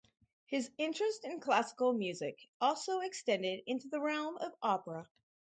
His interest in classical music also extended into the realm of opera.